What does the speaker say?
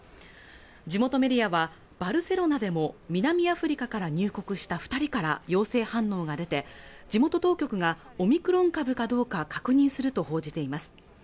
地元メディアはバルセロナでも南アフリカから入国した二人から陽性反応が出て地元当局がオミクロン株かどうか確認すると報じています